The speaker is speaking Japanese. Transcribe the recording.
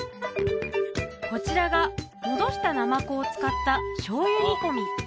こちらが戻したナマコを使った醤油煮込み